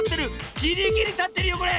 ギリギリたってるよこれ！